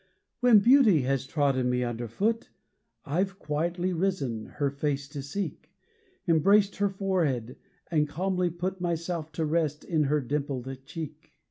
When beauty has trodden me under foot, I've quietly risen, her face to seek, Embraced her forehead, and calmly put Myself to rest in her dimpled cheek.